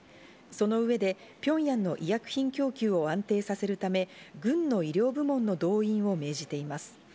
その上で、ピョンヤンの医薬品供給を安定させるため、軍の医療部門を動員することを命じています。